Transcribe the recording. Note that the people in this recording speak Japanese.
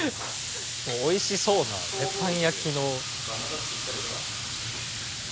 美味しそうな鉄板焼きの。